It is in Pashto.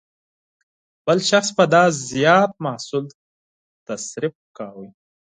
بل شخص به دا زیات محصول تصرف کاوه.